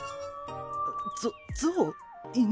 ゾゾウ？犬？